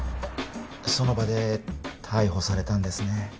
その場で逮捕されたんですね